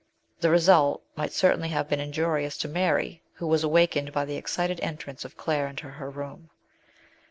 The result might certainly have been injurious to Mary, who was awakened by the excited entrance of Claire into her room.